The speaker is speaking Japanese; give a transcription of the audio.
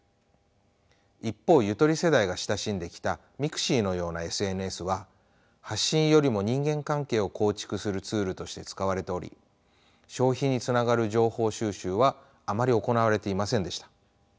一方ゆとり世代が親しんできたｍｉｘｉのようなＳＮＳは発信よりも人間関係を構築するツールとして使われており消費につながる情報収集はあまり行われていませんでした。